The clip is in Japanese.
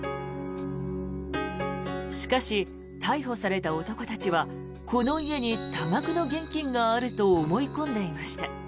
しかし、逮捕された男たちはこの家に多額の現金があると思い込んでいました。